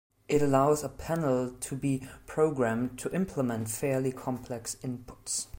It allows a panel to be programmed to implement fairly complex inputs.